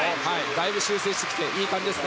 だいぶ修正してきていい感じです。